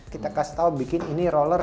kita kasih tahu bikin ini roller